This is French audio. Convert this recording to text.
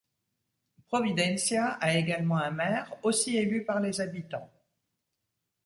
Providencia a également un Maire, aussi élu par les habitants.